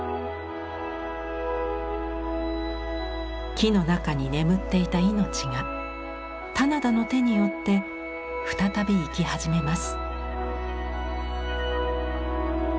木の中に眠っていた命が棚田の手によって再び生き始めます。